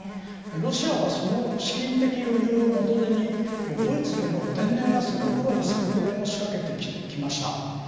ロシアはその資金的余裕を元手にドイツへの天然ガス６割削減を仕掛けてきました。